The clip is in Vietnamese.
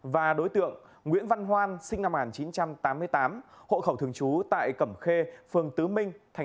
và đối tượng nguyễn văn hoan sinh năm một nghìn chín trăm tám mươi tám hộ khẩu thường trú tại cẩm khê phường tứ minh